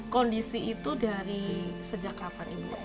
kondisi itu dari sejak kapan ibu